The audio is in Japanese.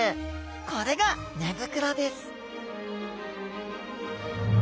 これが寝袋です